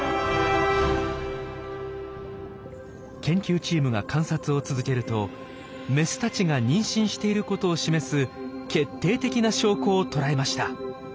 研究チームが観察を続けるとメスたちが妊娠していることを示す決定的な証拠を捉えました。